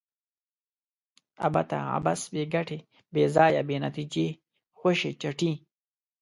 ابته ؛ عبث، بې ګټي، بې ځایه ، بې نتیجې، خوشي چټي